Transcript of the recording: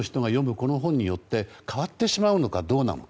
この本で変わってしまうのかどうなのか。